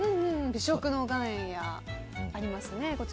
美食の岩塩がありますね。